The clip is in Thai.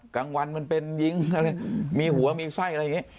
กลางวันมันเป็นยิงอะไรมีหัวมีไส้อะไรอย่างนี้